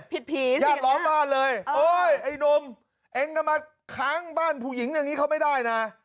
ผิดผีสินะครับโอ้ยไอ้นมเองก็มาค้างบ้านผู้หญิงอย่างนี้เข้าไม่ได้นะ